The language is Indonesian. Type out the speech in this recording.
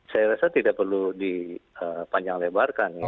saya rasa tidak perlu dipanjang lebarkan ya